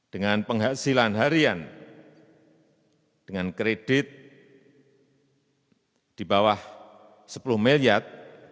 dengan penghasilan harian dengan kredit di bawah sepuluh miliar